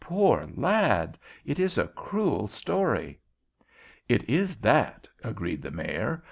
"Poor lad! It is a cruel story." "It is that," agreed the Mayor.